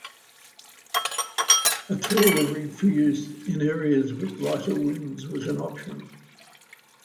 A taller rig for use in areas with lighter winds was an option.